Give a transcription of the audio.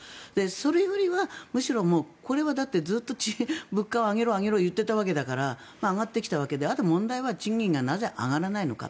それよりはむしろこれはだってずっと物価を上げろ上げろ言っていたわけだから上がってきたわけであとは問題は賃金がなぜ上がらないのか。